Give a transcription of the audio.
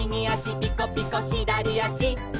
「ピコピコひだりあし」